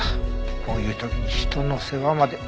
こういう時に人の世話まで。